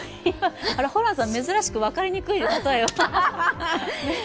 ホランさん、珍しく分かりにくい例えを。